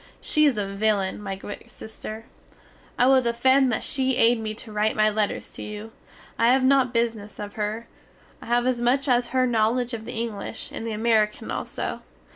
She is a villain, my great sister. I will defend that she aid me to write my letters to you; I have not business of her. I have as much as her knowledge of the English, and the American also.